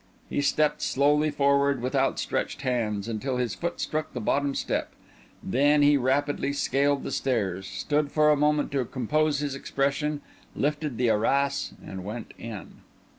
He stepped slowly forward with outstretched hands, until his foot struck the bottom step; then he rapidly scaled the stairs, stood for a moment to compose his expression, lifted the arras and went in.